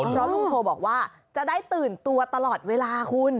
เพราะลุงโพบอกว่าจะได้ตื่นตัวตลอดเวลาคุณ